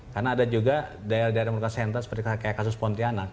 karena ada juga daerah daerah meruka senter seperti kasus pontianak